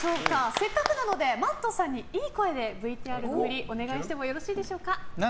せっかくなのでＭａｔｔさんにいい声でＶＴＲの振りお願いしてもよろしいでしょうか。